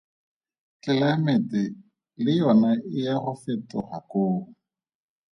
Tlelaemete le yona e ya go fetoga koo.